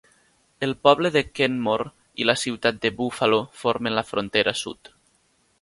El poble de Kenmore i la ciutat de Buffalo formen la frontera sud.